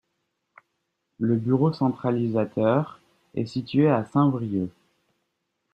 Le bureau centralisateur est situé à Saint-Brieuc.